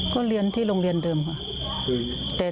ก็เรียนที่โรงเรียนเดิมค่ะ